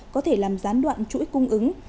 có thể làm gián đoạn chuỗi cung ứng